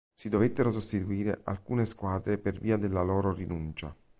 Si dovettero sostituire alcune squadre per via della loro rinuncia.